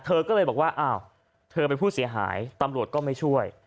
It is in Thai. เธอก็เลยบอกว่าอ้าวเธอเป็นผู้เสียหายตำรวจก็ไม่ช่วย